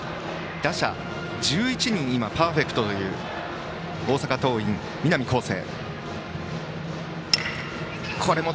打者１１人に対してパーフェクトという大阪桐蔭の南恒誠。